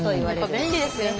便利ですよね。